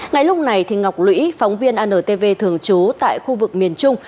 ngay lúc này ngọc lũy phóng viên antv thường trú tại khu vực miền trung